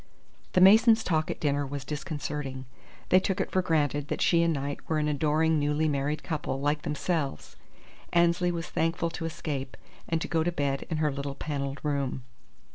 The Masons' talk at dinner was disconcerting. They took it for granted that she and Knight were an adoring newly married couple, like themselves. Annesley was thankful to escape, and to go to bed in her little panelled room.